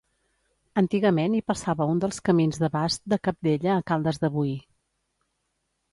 Antigament hi passava un dels camins de bast de Cabdella a Caldes de Boí.